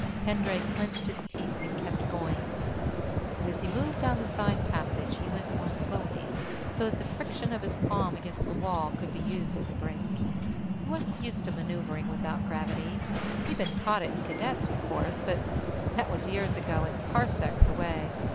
Pendray clenched his teeth and kept going. But as he moved down the side passage, he went more slowly, so that the friction of his palm against the wall could be used as a brake. He wasn't used to maneuvering without gravity; he'd been taught it in Cadets, of course, but that was years ago and parsecs away.